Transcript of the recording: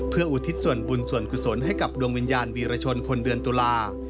เพื่ออุทิศส่วนบุญส่วนกุศลให้กับดวงวิญญาณวีรชนพลเดือนตุลา